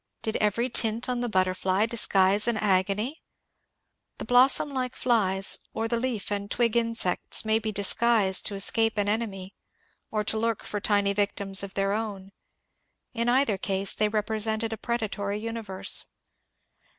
Did every tint on the butterfly disguise an agony ? The blos som like flies or the leaf and twig insects may be disguised to escape an enemy or to lurk for tiny victims of their own : in either case they represented a predatory universe.